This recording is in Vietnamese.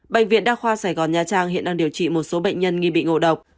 bệnh viện đa khoa sài gòn nha trang hiện đang điều trị một số bệnh nhân nghi bị ngộ độc